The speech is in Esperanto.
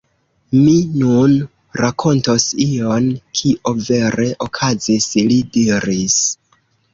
Mi nun rakontos ion, kio vere okazis, li diris.